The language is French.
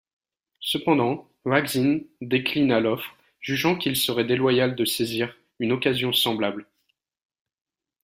Cependant, Hua Xin déclina l’offre, jugeant qu’il serait déloyal de saisir une occasion semblable.